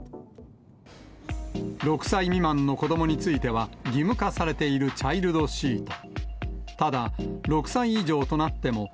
６歳未満の子どもについては、義務化されているチャイルドシート。